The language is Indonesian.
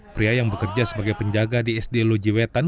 pria yang bekerja sebagai penjaga di sd lojiwetan